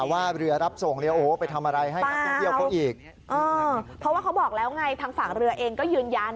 เพราะว่าเขาบอกแล้วไงทางฝั่งเรือเองก็ยืนยัน